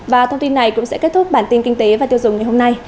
và thông tin này cũng sẽ kết thúc bản tin kinh tế và tiêu dùng ngày hôm nay